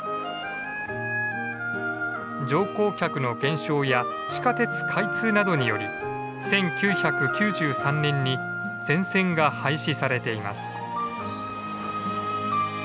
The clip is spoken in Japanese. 乗降客の減少や地下鉄開通などにより１９９３年に全線が廃止されています。